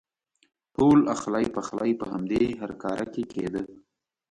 ټول اخلی پخلی په همدې هرکاره کې کېده.